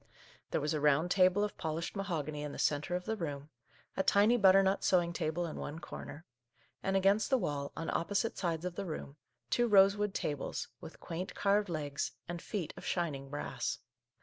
There was a round table of polished mahogany in the centre of the room, a tiny butternut sewing table in one corner, and against the wall, on opposite sides of the room, two rosewood tables, with quaint carved legs, and feet of shining brass.